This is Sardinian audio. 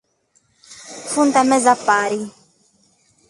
Sunt a mesapare.